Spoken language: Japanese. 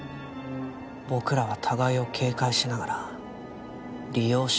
僕らは互いを警戒しながら利用しようとしていた。